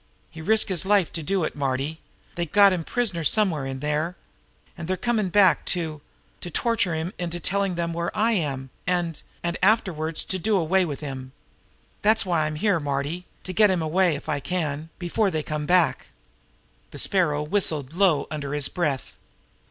He risked his life to do it, Marty. They've got him a prisoner somewhere in there; and they're coming back to to torture him into telling them where I am, and and afterwards to do away with him. That's why I'm here, Marty to get him away, if I can, before they come back." The Sparrow whistled low under his breath.